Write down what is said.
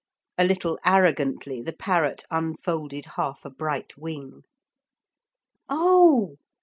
] A little arrogantly the parrot unfolded half a bright wing. 'Oh!'